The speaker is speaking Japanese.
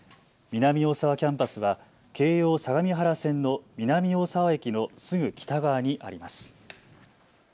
南大沢キャンパスは京王相模原線の南大沢駅のすぐ北側にあります。